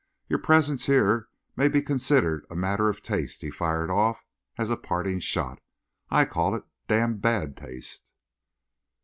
"Your presence here may be considered a matter of taste," he fired off, as a parting shot. "I call it damned bad taste!"